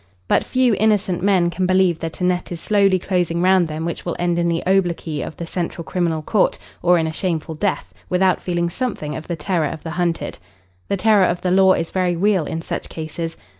But few innocent men can believe that a net is slowly closing round them which will end in the obloquy of the Central Criminal Court, or in a shameful death, without feeling something of the terror of the hunted. "The terror of the law" is very real in such cases.